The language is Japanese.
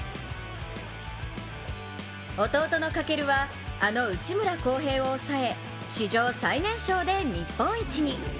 弟の翔は、あの内村航平を抑え、史上最年少で日本一に。